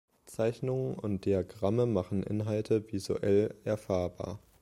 Zeichnungen und Diagramme machen Inhalte visuell erfahrbar.